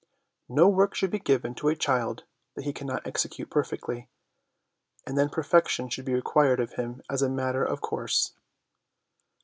No work should be given to a child that he cannot execute perfectly, and then perfection should be required of him as a matter of course.